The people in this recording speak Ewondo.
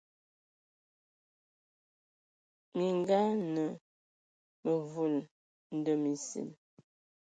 Minga anə məvul ndəm esil.